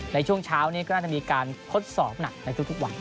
ในช่วงเช้านี้ก็น่าจะมีการทดสอบหนักในทุกวัน